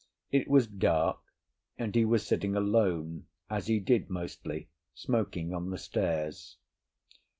It was dark, and he was sitting alone, as he did mostly, smoking on the stairs.